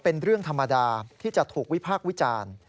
เป็นเรื่องธรรมดาที่จะถูกวิพากษ์วิจารณ์